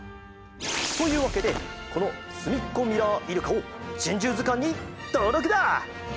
というわけでこのスミッコミラーイルカを「珍獣図鑑」にとうろくだ！